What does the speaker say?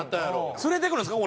連れてくるんですか？